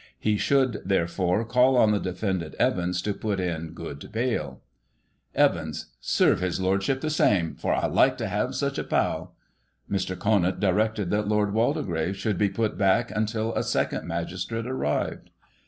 He should, therefore, call on the defendant Evans to put in good baiL Evans : Serve his Lordship the same ; for I like to have such a pal. Mr. Conant directed that Lord Waldegrave should be put back imtil a second magistrate arrived.